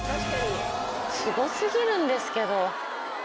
すごすぎるんですけど。